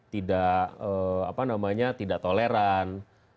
tidak apa namanya tidak toleran